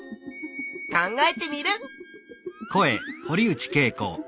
考えテミルン！